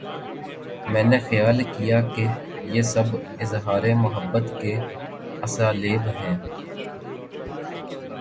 میں نے خیال کیا کہ یہ سب اظہار محبت کے اسالیب ہیں۔